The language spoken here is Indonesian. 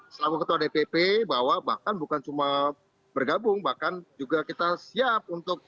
selaku ketua dpp bahwa bahkan bukan cuma bergabung bahkan juga kita siap untuk